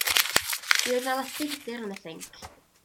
Mi oedd 'na lestri budr yn y sinc.